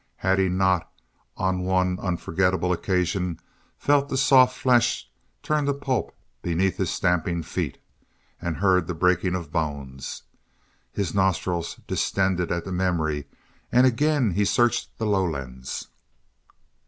Had he not on one unforgetable occasion felt the soft flesh turn to pulp beneath his stamping feet, and heard the breaking of bones? His nostrils distended at the memory and again he searched the lowlands.